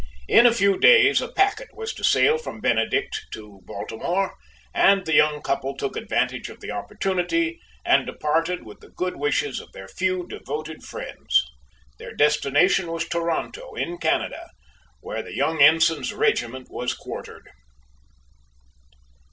In a few days a packet was to sail from Benedict to Baltimore, and the young couple took advantage of the opportunity, and departed, with the good wishes of their few devoted friends. Their destination was Toronto, in Canada, where the young ensign's regiment was quartered.